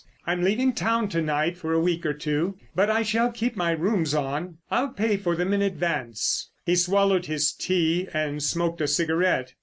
"I'm leaving town to night for a week or two, but I shall keep my rooms on. I'll pay for them in advance." He swallowed his tea and smoked a cigarette.